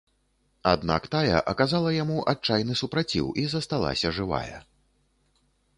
Аднак тая аказала яму адчайны супраціў і засталася жывая.